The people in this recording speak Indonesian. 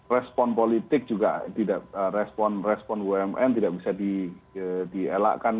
respon politik juga respon bumn tidak bisa dielakkan